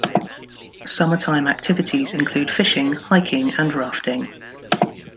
Summertime activities include fishing, hiking, and rafting.